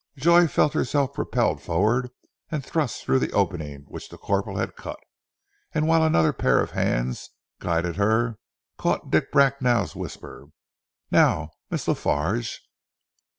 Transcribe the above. Joy felt herself propelled forward and thrust through the opening which the corporal had cut, and whilst another pair of hands guided her, caught Dick Bracknell's whisper, "Now Miss La Farge!"